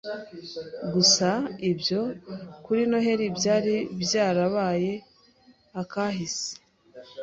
Gusa ibyo kuri Noheli byari byarabaye akahise